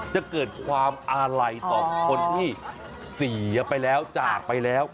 จะเกิดความอาลัยต่อคนที่เสียไปแล้วจากไปแล้ว